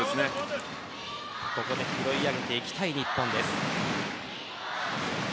ここで追い上げていきたい日本です。